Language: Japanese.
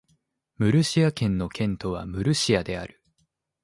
ムルシア県の県都はムルシアである